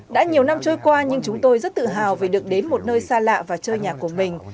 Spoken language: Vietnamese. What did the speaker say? đã nhiều năm trôi qua nhưng chúng tôi rất tự hào vì được đến một nơi xa lạ và chơi nhà của mình